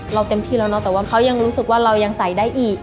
เต็มที่แล้วเนอะแต่ว่าเขายังรู้สึกว่าเรายังใส่ได้อีก